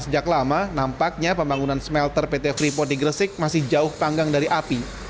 sejak lama nampaknya pembangunan smelter pt freeport di gresik masih jauh panggang dari api